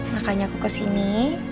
makanya aku kesini